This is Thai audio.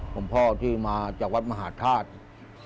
ของพ่อที่มาจากวัดมหาธาตุ